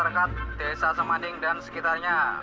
ponggo warga masyarakat desa semanding dan sekitarnya